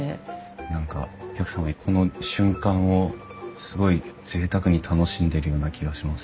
何かお客様がこの瞬間をすごいぜいたくに楽しんでるような気がします。